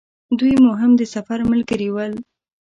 دوی مو هم د سفر ملګري ول.